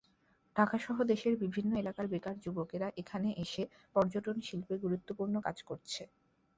ঢাকাসহ দেশের বিভিন্ন এলাকার বেকার যুবকেরা এখানে এসে পর্যটনশিল্পে গুরুত্বপূর্ণ কাজ করছে।